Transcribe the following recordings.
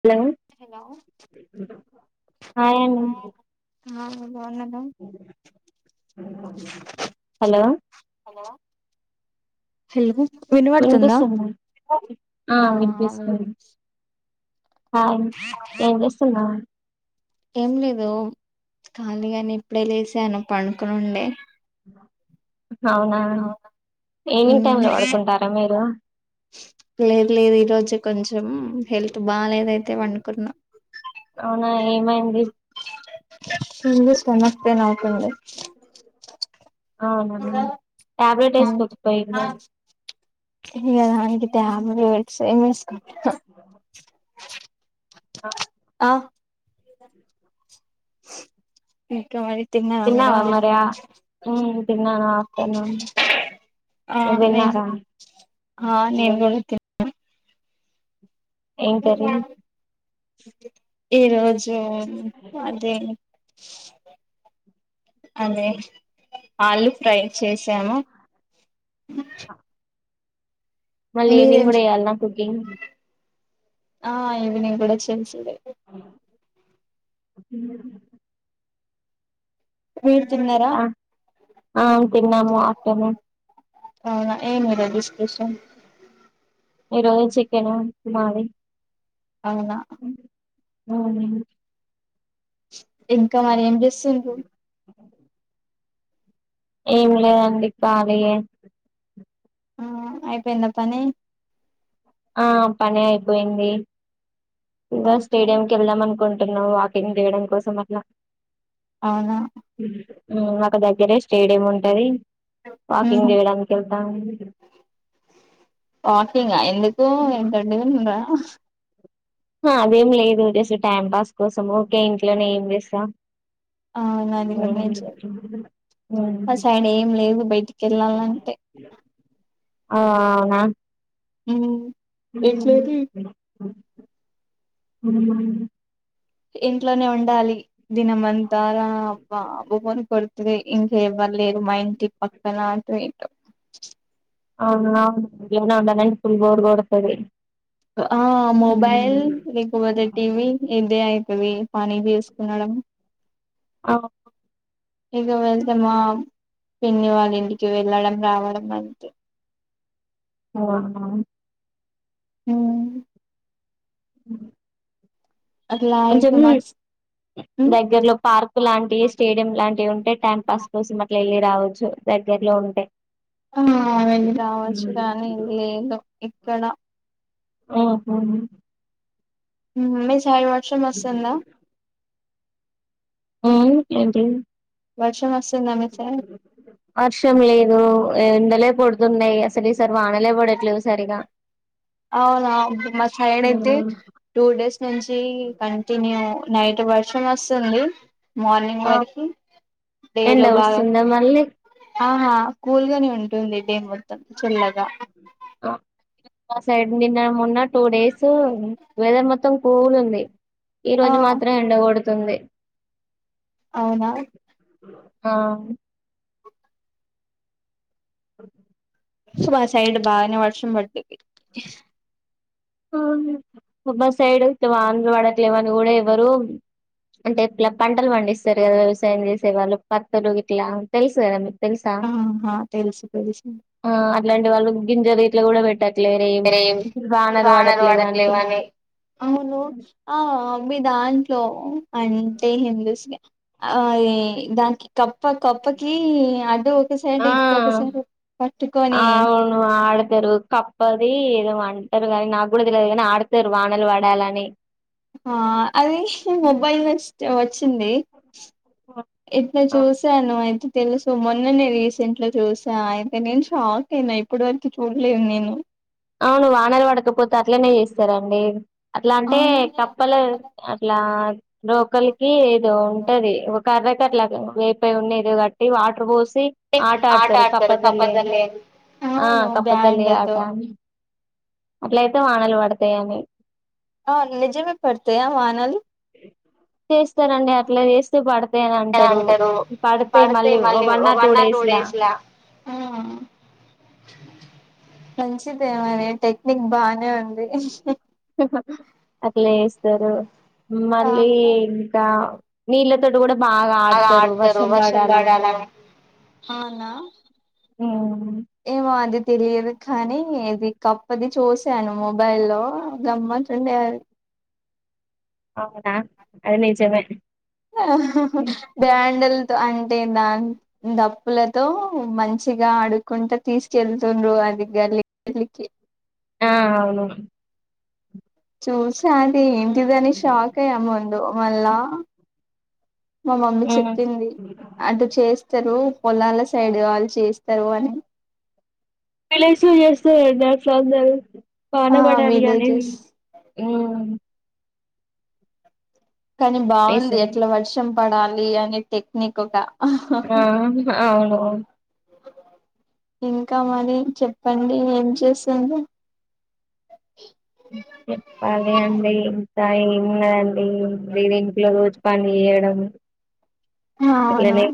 Hello hello హా ఆ బాగున్నారా హలో హలో వినుపడుతుందా వినిపిస్తుందా ఆ హ అ ఏం చేస్తున్నావు ఏం లేదు ఖాళీగాని ఇప్పుడే లేసాను పండుకొని ఉండే నావునా ఎనీ టైమ్ లో పడుకుంటారా మీరు లేదు లేదు ఈ రోజు కొంచెం హెల్త్ బాలేద్ అయితే వడకున్నా. అవునా ఏమైంది. ఫుల్లు స్టేమాక్ పే నవుతుంది. అవునా ట్యాబ్లెట్ ఏసుకోకపోయినవ్ ఇగా దానికి టాబ్లెట్స్ ఏం ఏసుకో హో ఆ ఆ ఇంకా మరీ తిన్నారా మీరు తిన్నావా మరి ఆ, ఉమ్ తిన్నాను ఆఫ్టర్నూన్ నువ్వు తిన్నారా ఆ నేన్ గూడా తిన్నా ఏం కర్రీ ఈ రోజు అది అదే ఆలుు ఫ్రై చేసాము. అ మళ్ళీ ఈవినింగ్ గూడా ఏయాల్నా కుకింగ్ ఆ ఈవినింగ్ గూడా చేసేదే [inaudible] మీరు తిన్నారా ఆ ఆ తిన్నాము ఆఫ్టర్నూన్ అవునా ఈ రోజ్ డిస్ప్రిషన్ ఈ రోజు చికెను టు మాది అవునా నోవ్ దిన్ ఇంకా మరి ఏం జేసుండ్రు. ఉమ్. ఏం లేదండి కాలియే ఆహ్ అయిపోయిందా పని. ఆ పని అయిపోయింది. ఇగో ఓకే స్టేడియంకి ఏళ్దాం అనుకున్ తిను వాకింగ్ దిగడం కోసం అట్లా అవునా ఉ మాకు దగ్గరే స్టేడియం ఉంటది. వాకింగ్ ఉహు జేయడానికి ఏళ్ళతాము. తో ఏంటండీ ఇంగా హా అదేం లేదు జస్ట్ టైం పాస్ కోసం ఊకే ఇంట్లోనే ఏం జేసం. అవున్ అది గూడ్ నీజే వ ఉమ్. సైడ్ ఏం లేవు బయటికి ఏళ్ళాలంటే ఆ అవునా ఎట్లేదు ఈ [inaudible] ఇంట్లోనే ఉండాలి దినంమంతారా అబ్బా బోబోన్ కొడు తుదే ఇంకేవ్వర్ లేదు. మా ఇంటి పక్కన అంటూ ఇటో అవునా గివునా ఉండనని ఫుల్ బోర్ గొడతది. ఓ ఆ మొబైల్ లేకపోతే టీ వి ఇదే అయితది. పని బీసుకున్నాడం ఇగా వెళ్తే మామ్ పిన్ని వాళ్ళింటికి వెళ్ళడం రావడం అంతే ఓనా ఉహూహ్ నువ్వా అట్లా అయితే మస్ ఉమ్ దగ్గరలో పార్కు లాంటి స్టేడియం లాన్ టి ఉంటే టైం పాస్ కోసం అట్లా ఏళ్ళి రావచ్చు. దగ్గరలో ఉంటే ఆహ్ వెళ్ళి రావచ్చు గానీ లేదు ఇక్కడ ఆహోమ్ హ్మ్ మీ సైడ్ వర్షం వస్తుందా హ్మ్ ఏం లేదు. వర్షం వస్ వర్షం లేదు. ఎండలే కోడుతున్నయి అసలు ఈసారి వానలే పడట్లేవు సరిగా అవునా మా సైడ్ అయితే ఉమ్ టూ డేస్ నుంచి కంటిన్యూ. నైట్ వర్షం వస్తుంది. మార్నింగ్ ఆ వరకి ఎండ డేలో బాగా వస్తుందా మళ్ళీ ఆహా కూల్గానే ఉంటుంది డే మొత్తం చల్లగా ఆ మా సైడ్ నిన్న మొన్న టూ డేస్ వెదర్ మొ మొత్తం కూల్ ఉంది ఆ ఈరోజు మాత్రం ఎండగొడుతుంది. అవునా ఆ అ ఫస్ట్ మా సైడ్ బాగానే వర్షం పడ్డది. అవునా మా సైడ్ వత్తే వానలు పట్లేవని గుడా ఎవరు అంటే ఇట్లా పంటలు పండిస్తారు కదా వ్యవసాయం చేసే వాళ్ళు పత్తులు గిట్లా తెలుసు కదా మీ ఆహా తెలుసు తెలుసు ఇలాంటి వాళ్ళు గింజలిట్ల కూడా పెట్టట్లేరేం. ఏం వానలు పడట్లేవని అవును ఆ మీ దాంట్లో అని తే హిందూస్మే అది దానికి కప్ప కప్పకి అడ్డు ఆ అవును ఆడతారు కప్ పది ఏదో అంటర్గనీ నాకు కుడా తెలియదు గనీ ఆడతరు వానలు పడాలని ఆ అదిష్ట్ మొబైలిస్ట్ వచ్చింది ఇట్లా ఆ చూశాను అయితే తెలుసు మొన్న నే రీసెంట్ లో చూసా అయితే నేను షాక్ అయిన ఇప్పటి వరకు చూడ్లేదు నేను అవును వానలు పడకపోతే అట్లనే చేస్తారండి అట్లా అంటే అవునులే కప్పల అట్లా రోకల్కి ఎదో ఉంటది ఒక కర్రకట్లగా వేపయి ఉన్న ఇల్లు కట్టి వాటర్ పోస్ అంటే ఆట ఆడ్తారు ఆడతారు కప్పజల్లి కప్పదళ్ళి అని ఆ అవును కప్పజల్లి ఆట బ్యాండ్లతో అట్లయితే వానలు పడతాయని ఆ నిజమే పడ్తయా వానలు చేస్తారండి అట్లా చేస్తే పడతాయని అని అంటరు అంటారు పడితే మళ్ళీ వన్ ఆర్ టూ డేస్లా ఆ [unintelligible] ఇంతే మరి టెక్నిక్ బానే ఉంది. అట్లా చేస్తారు మళ్ళీ ఆహా ఇంకా నీళ్ళతోటి కుడా బాగా ఆడతరు వర్షం పడాలని అవునా ఉమ్. ఏమో అది తెలియదు కానీ ఇది కప్పది చూస్ చూసాను మొబైల్ల్లో గమ్మత్ ఉండే అది అవునా అది నిజమే బ్యాండిల్ అంటే దాన్ డప్పులతో మంచిగా ఆడుకుంటా తీసుకెళ్తూర్రు అ అది గల్లి గల్లికి ఆ అవును చూసా అది ఏంటిదని షాక్ అయ్యా ముందు మళ్ళా మా మమ్మీ మ్మ్ చెప్పింది అటు చేస్తరు పొలాల సైడ్ ఇగ వాళ్ చేస్తరు అని విల్లెజ్ లో చేస్తరండి అట్ల అందరు వాన ఆ పడాలి అనేది విలేజెస్ హ్మ్ కానీ బాగుంది వేసింది ఎట్లా వర్షం పడాలి అనే టెక్నిక్ ఒక ఆ అవును ఇంకా మరి చెప్పండి ఏం చేస్తుండ్రు చెప్పాలి అండి ఇంకా ఏమున్నధి అండి ఉం లేదా ఇంట్లో రోజు పని చేయడం అవును ఇట్లనే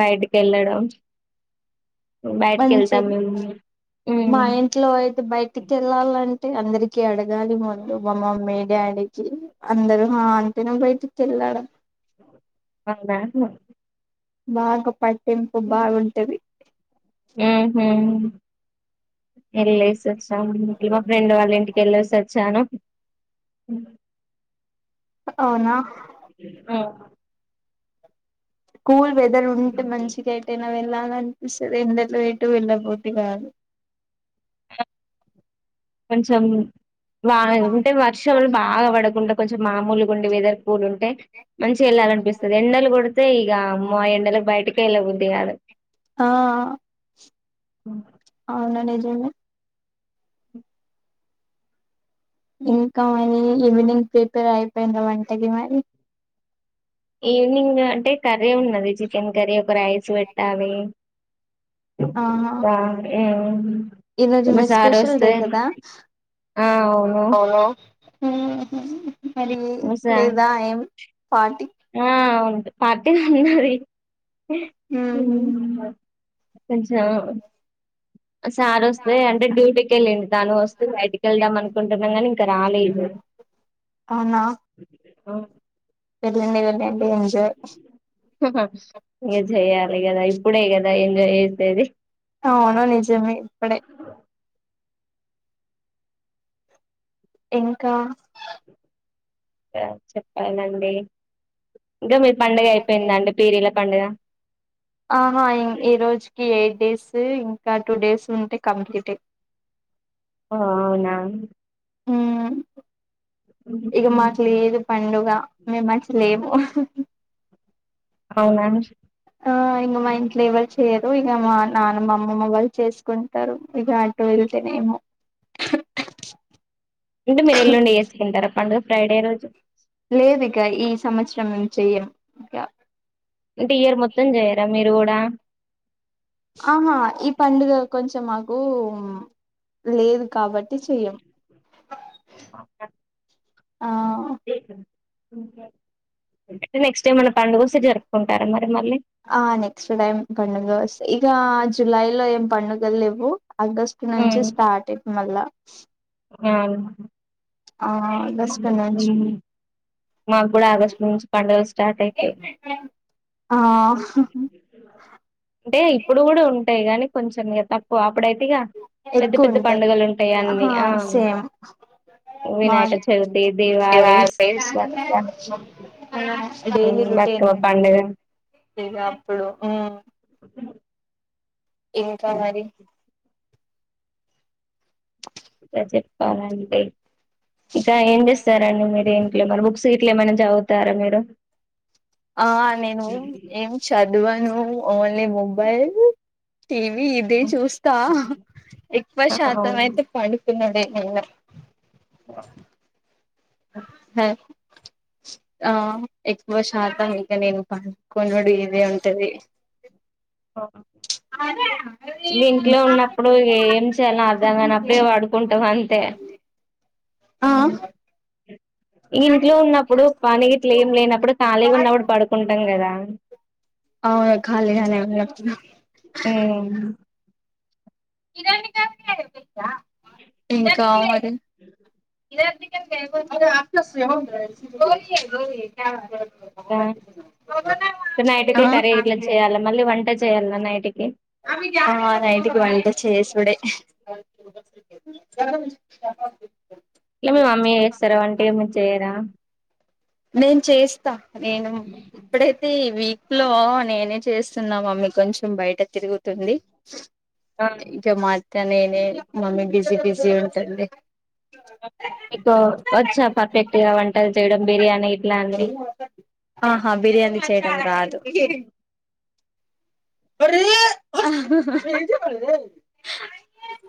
బయట కేళ్ళడం మంచిది మా మ్మ్ ఇంట్లో అయితే బయటికి వెళ్ళాలంటే అంటే అందరికి అడగాలి ముందు మా మమ్మీ డాడీకి అందరూ ఆ అంటేనే బయటికి వెళ్ళడం అవు మమ్ [unintelligible] బాగా పట్ హు హమ్ వెళ్లేసి వచ్చా మా ఫ్రెండ్ వాళ్ళ ఇంటికి వెళ్ళేసి వ చాను అవునా కూల్ వెదర్ ఉంటే మంచిగా ఎటయినా వెళ్ళ అనిపిస్థది ఎండలో ఎటు వెళ్ళ బుద్ధి కాదు కొంచెం వా అంటే వర్షలు బాగా పడకుండా కొంచం మామూలు గుండి వెదర్ కూల్ ఉంటే మంచి వేళ్లాలినిపిస్తది ఎండలు కొడితే ఇగ వామ్మో ఎండలకు బయటకే వెళ్ళ బుద్ది కాదు ఆ హ అవును నిజమే ఇంకా మరి ఈవినింగ్ ప్రిపేర్ అయిపోయిందా వంటకి మరి ఈవినింగ్ అంటే కర్రీ ఉన్నది చికెన్ కర్రీ ఒక రైస్ పెట్టాలి ఆహా ఆ ఉం మా సారు వస్తే ఆ అవును మరి లేదా మా ఏం సార్ లేదా ఏమ్ పార్టీ ఆ ఉంది పార్టీ ఉన్నది ఉహు కొంచెం సార్ వస్తే అంటే డ్యూటీకి వెల్లిండ్ తను వస్త బయటికి వెళ్దాం అనుకుంటున్నాం కానీ ఇంకా రాలేదు అవునా ఆ వెళ్ళండి వెళ్ళండి ఎంజాయ్ ఇగా జేయాలి కదా ఇప్పుడే కదా ఎంజాయ్ చేసేది అవును నిజమే ఇప్పుడే ఇంకా చెప్పాలండి ఇంకా మీ పండుగ అయిపోయిందండి పీరీల పండుగా ఆహా ఈ రోజుకి తీసి ఇంకా టూ డేస్ ఉంటే కంప్లీట్ ఆ అవునా ఇగా మాకు లేదు పండుగ మేము మంచి లేము అవునా ఆ ఇంగ మా ఇంట్లో ఎవరూ చేయరు ఇక మా నాన్నమ్మ అమ్మమ్మ వాళ్ళు చేసుకుంటారు ఇక అట అతేనేమో [unintelligible] అంటే మీరు ఎల్లుండి చేసుకుంటారా పండుగ ఫ్రైడే రోజు లేదు ఇక ఈ సంవత్సరం చెయ్యం ఇక అంటే ఇయర్ మొత్తం చేయరా మీరు కూడా ఆహా ఈ పండుగ కొంచెం ఆ కు లేదు కాబట్టి చెయ్యం ఓకే ఆ ఏ నెక్ట్ ఏమన్నా పండుగొస్తే జరుపుకుంటం ఆ నెక్స్ట్ టైమ్ పండుగ ఇక జులై లో ఏం పండుగలు లెవ్ అగస్ట్ నుంచి స్టార్ట్ అయి మళ్ళా ఆ ఆ ఆగస్టు మాకు కూడా ఆగస్టు నుంచి పండుగలు స్టార్ట్ అయితయి ఆ అంటే ఇప్పుడు కూడా ఉంటాయి నీ కొంచెం త అప్పుడైతేగా పెద్ద ఎక్కువ పెద్ద ఉంటాయి పండుగలు ఉంటాయి అన్ని ఆహా ఆ సేమ్ వినాయక మాది చవిథీ దివాలీస్ డైలీ రొటీన్ బక్కలో పండుగ ఇగ అప్పుడు ఉ ఇంకా మరి ఇకా చెప్పకోవాలంటే ఇక ఏం చేస్తారంండి మీరు ఏంట్లో మ బుక్స్ గిట్ల ఏమైనా చదువుతారా మీరు ఆ నేను ఏం చదివాను ఓన్లీ మోబైల్ టీవీ ఇదే చూస్తా ఎక్కువ శాతం అవును అయితే పడుతున్నాడే అవునా హ ఆ ఎక్కువ శాత ఇక నేను పడుకున్నాడు ఇదే ఉంటది ఆ ఇంట్లో ఉన్నప్పుడు ఏం చేయాలి అర్ధం కానప్పుడే పడుకుంటాం అంతే ఆ ఉ ఇంట్లో ఉన్నప్పుడు పనిట్లు ఏం లేనప్పుడు ఖాళీగా ఉన్నప్పుడు పడుకుంటాం కదా అవును ఖాళీగానే ఉన్నప్పుడు ఆ ఇంకా మరి ఇదందుక [unintelligible] గో గో ఇ ఇ నైట్ కి కర్రీల చేయాలా మళ్ళీ వంట చేయాలా నైట్ కి నైటికి వంట చేసుడే [unintelligible] ఇట్లా మీ మమ్మీ చేస్తారా వంట ఏమి చేయరా నేను చేస్తా నేను ఇప్పుడైతే వీక్ లో నేనే చేస్తున్నా మమ్మి కొంచెం బయట తిరుగుతుంది ఆ ఇక మొత్తం నేనే మమ్మీ బిజి బిజి ఉంటుంది మీకు వచ్చా పర్ఫెక్ట్గా వంటలు చేయడం బిర్యానీ ఇట్లా అన్ని ఆహా బిర్యానీ చేయడం రాదు అ ఏ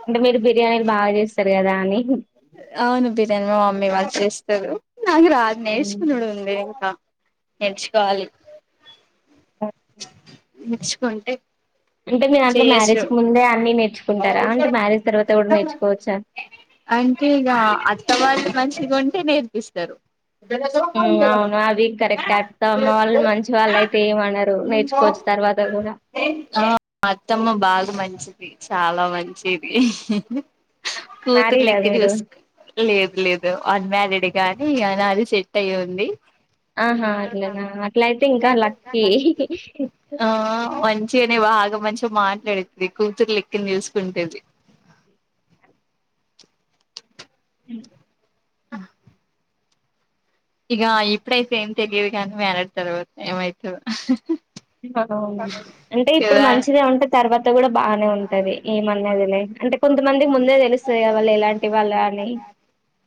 అంటే మీరు బిర్యానీలు బాగా చేస్తారు కదా అని అవును బిర్యాని మా మమ్మీ వాళ్ళ చేస్తారు నాకు రాదు నేర్చుకునుడు ఉంది ఇంకా నేర్చుకోవాలి ఓ నేర్చుకుంటే అంటే మీ దంలో చేసు మ్యారేజ్ కు ముందే అన్ని నేర్చుకుంటారా అంటే మ్యారేజ్ తర్వాత కూడా నేర్చుకోవచ్చా [inaudible] అంటే ఇక అత్త వాళ్ళు మంచిగా ఉంటే నేర్పిస్తరు అవును అవి కరెక్ట్ అత్తమ్మ వాళ్ళు మంచి వాళ్ళు అయితే ఏమనరు నేర్చుకోచ్చు వాత కూడా ఆ అత్తమ్మ బాగా మంచిది చాలా మంచిది కూతుర్లి మ్యారీడా ఇది మీరు చూస్ లేదు లేదు అన్మారీడ్ గాని నాది సెట్ అయ్యి ఉంది. ఆహా అట్లనా అట్లయితే ఇంకా లక్కీ ఆ వం మంచిగానే బాగా మంచిగా మాట్లాడతది కూతురు లెక్కనే చూసుకుంటది. [inaudible] హ్ ఇగా ఇప్పుడైతే ఏం తెలియదు కాని మ్యారేజ్ తర్వాత ఏమైతదో అవునండి. అంటే ఇప్పుడు కదా మంచిగా ఉంటే తర్వాత కూడా బానే ఉంటది. ఏమనదిలే అంటే కొం కొంతమందికి ముందే తెలుస్తది. కాదా వాళ్ళు ఎలాంటి వాళ్ళు అని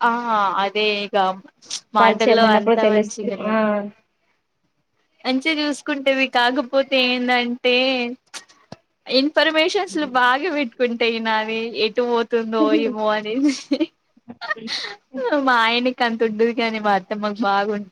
ఆ అదే ఇగ పరిచయం మాటల్లో ఉన్నప్పుడు అంతా తెలుస్తుంది. మంచిగానే ఆ మంచిగా చూసుకుంటది. కాకపోతే ఏందాంటే ఇన్ఫర్మేషన్స్లు బాగా పెట్టుకుంటాయి. నాది ఎటు వో తుందో ఏమో అనేది. మా ఆయనకి అంత ఉండదు. గాని మా అత్తమ్మకు బాగుం